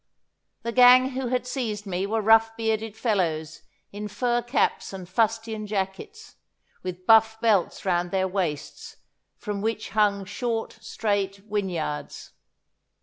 The gang who had seized me were rough bearded fellows in fur caps and fustian jackets, with buff belts round their waists, from which hung short straight whinyards.